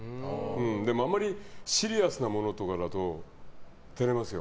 でも、あまりシリアスなものとかだと照れますよ。